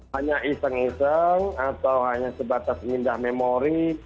hanya iseng iseng atau hanya sebatas mindah memori